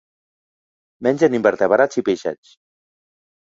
Mengen invertebrats i peixets.